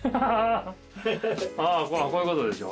あこういうことでしょ？